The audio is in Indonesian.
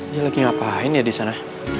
dia lagi ngapain ya di sana